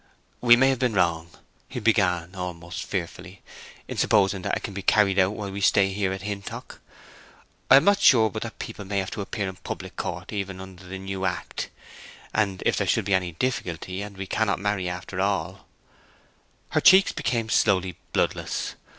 "We may have been wrong," he began, almost fearfully, "in supposing that it can all be carried out while we stay here at Hintock. I am not sure but that people may have to appear in a public court even under the new Act; and if there should be any difficulty, and we cannot marry after all—" Her cheeks became slowly bloodless.